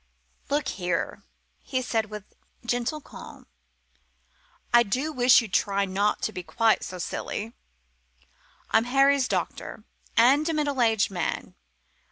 "Look here," he said with gentle calm, "I do wish you'd try not to be quite so silly. I'm Harry's doctor and a middle aged man.